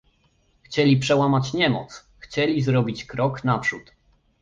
Chcieli przełamać niemoc, chcieli zrobić krok naprzód